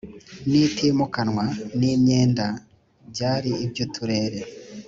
n itimukanwa n imyenda byari iby uturere